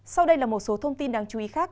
sau đây là một số thông tin đáng chú ý khác